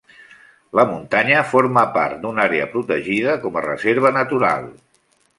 La muntanya forma part d'una àrea protegida com a reserva natural.